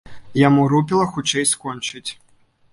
Яму рупіла хутчэй скончыць.